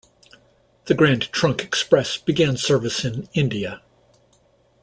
The Grand Trunk Express began service in India.